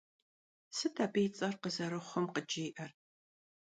Сыт абы и цӀэр къызэрыхъум къыджиӀэр?